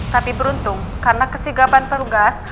tapi beruntung karena kesinggapan pelugas